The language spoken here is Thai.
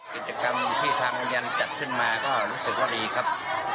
กิจกรรมที่ทางโรงเรียนจัดขึ้นมาก็รู้สึกว่าดีครับ